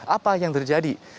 apa yang terjadi